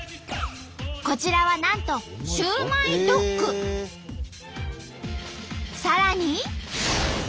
こちらはなんとさらに。